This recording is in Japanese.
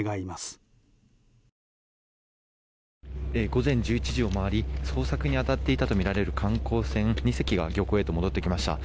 午前１１時を回り捜索に当たっていたとみられる観光船２隻が漁港へと戻ってきました。